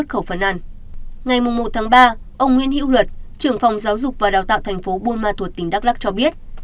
ngày một tháng ba ông nguyễn hiễu luật trưởng phòng giáo dục và đào tạo thành phố buôn ma thuột tỉnh đắk lắc cho biết